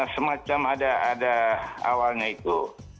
semacam ada awalnya itu